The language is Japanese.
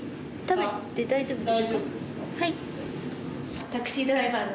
はい。